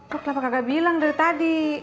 kok kenapa kakak bilang dari tadi